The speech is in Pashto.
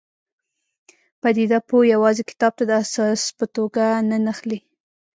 پدیده پوه یوازې کتاب ته د اساس په توګه نه نښلي.